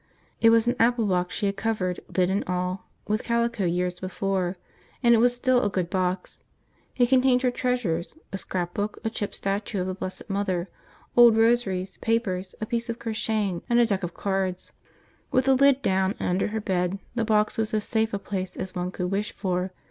It was an apple box she had covered, lid and all, with calico years before and it still was a good box. It contained her treasures: a scrapbook, a chipped statue of the Blessed Mother, old rosaries, papers, a piece of crocheting, and a deck of cards. With the lid down, and under her bed, the box was as safe a place as one could wish for.